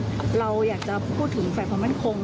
เราอยากจะพูดถึงฝ่ายความมั่นคง